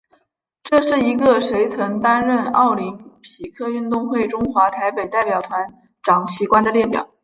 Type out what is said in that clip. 这是一个谁曾担任奥林匹克运动会中华台北代表团掌旗官的列表。